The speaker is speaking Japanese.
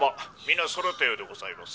皆そろったようでございます」。